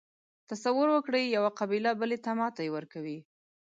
تصور وکړئ یوه قبیله بلې ته ماتې ورکوي.